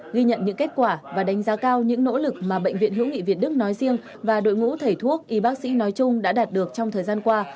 ghi nhận những kết quả và đánh giá cao những nỗ lực mà bệnh viện hữu nghị việt đức nói riêng và đội ngũ thầy thuốc y bác sĩ nói chung đã đạt được trong thời gian qua